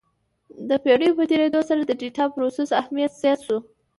د پېړیو په تېرېدو سره د ډیټا پروسس اهمیت زیات شو.